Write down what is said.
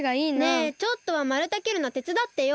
ねえちょっとはまるたきるのてつだってよ！